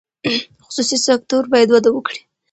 خصوصي سکتور باید وده وکړي.